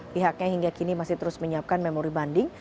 pihaknya hingga kini masih terus menyiapkan memori banding